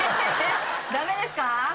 ダメですか？